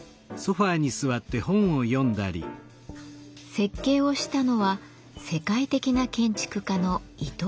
設計をしたのは世界的な建築家の伊東豊雄さん。